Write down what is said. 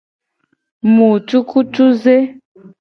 Mu cukucuze.